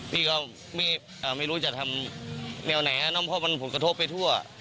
เปล่าหรือเปล่าไม่รู้จะทำแนวไหนนะเพราะมันกระทบไปทั่ว